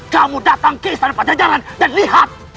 kamu datang ke istana pada jalan dan lihat